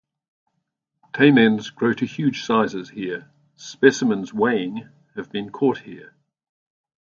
Taimens grow to huge sizes here; specimens weighing have been caught here.